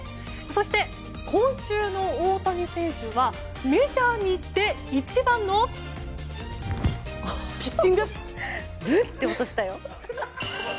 そして、今週の大谷選手はメジャーに行って一番のピッチング！